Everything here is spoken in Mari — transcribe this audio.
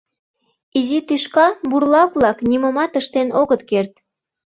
Изи тӱшка бурлак-влак нимомат ыштен огыт керт.